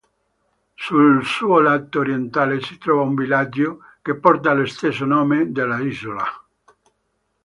Sul suo lato orientale si trova un villaggio che porta lo stesso nome dell'isola.